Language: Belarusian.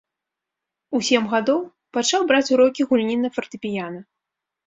У сем гадоў пачаў браць урокі гульні на фартэпіяна.